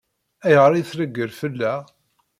Ayɣer i treggel fell-aɣ?